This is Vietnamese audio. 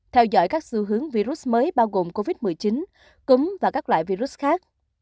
theo dõi các xu hướng virus mới bao gồm covid một mươi chín cúm và các loại virus khác